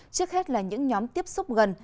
trước hết là những nhóm tiếp xúc gần